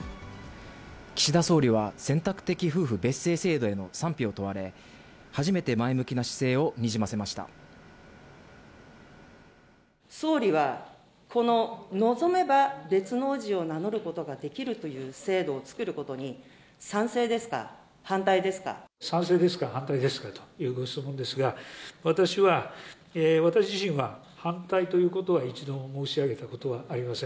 岸田総理は選択的夫婦別姓制度への賛否を問われ、初めて前向総理は、この望めば別の氏を名乗ることができるという制度を作ることに、賛成ですか、反対ですかというご質問ですが、私は、私自身は反対ということは、一度も申し上げたことはありません。